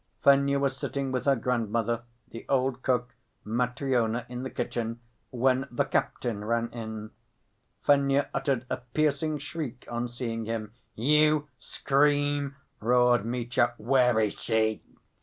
Fenya was sitting with her grandmother, the old cook, Matryona, in the kitchen when "the captain" ran in. Fenya uttered a piercing shriek on seeing him. "You scream?" roared Mitya, "where is she?"